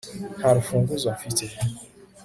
nta rufunguzo mfite